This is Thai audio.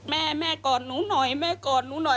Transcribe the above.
แม่แม่กอดหนูหน่อยแม่กอดหนูหน่อย